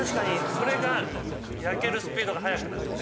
それが焼けるスピードが早くなって。